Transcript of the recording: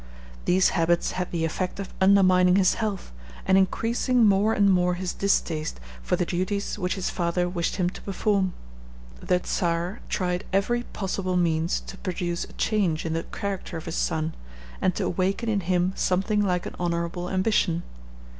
These habits had the effect of undermining his health, and increasing more and more his distaste for the duties which his father wished him to perform. The Czar tried every possible means to produce a change in the character of his son, and to awaken in him something like an honorable ambition.